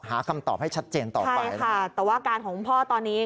หาคำตอบให้ชัดเจนต่อไปค่ะแต่ว่าอาการของคุณพ่อตอนนี้